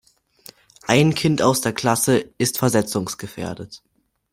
Ein Kind aus der Klasse ist versetzungsgefährdet.